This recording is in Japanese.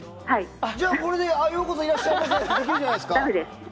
ここからようこそいらっしゃいませってできるじゃないですか。